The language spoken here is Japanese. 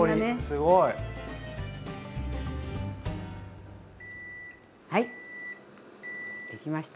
すごい！はいできました。